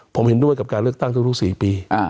ผมเห็นด้วยกับการเลือกตั้งทุก๔ปี